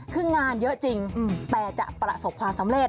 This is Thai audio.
คืองานเยอะจริงแต่จะประสบความสำเร็จ